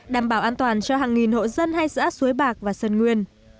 đảm bảo an toàn cho hàng nghìn hộ dân hay giã suối bạc và sân nguyên